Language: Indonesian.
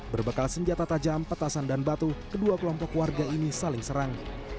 berbekal senjata tajam petasan dan batu kedua kelompok warga ini saling serang